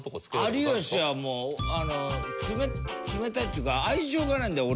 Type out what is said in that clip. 有吉は冷たいっていうか愛情がないんだよ